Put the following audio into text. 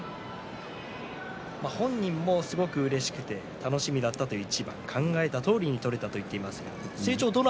本人もすごくうれしくて楽しみだったという一番を考えたとおりに取れたと言っています。